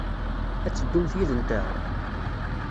Ad teddumt yid-nteɣ?